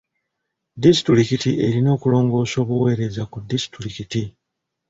Disitulikiti erina okulongoosa obuweereza ku disitulikiti.